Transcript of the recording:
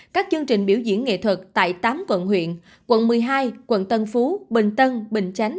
các chương trình biểu diễn nghệ thuật tại tám quận huyện quận một mươi hai quận tân phú bình tân bình chánh